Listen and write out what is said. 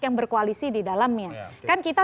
yang berkoalisi di dalamnya kan kita